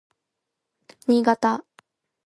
新潟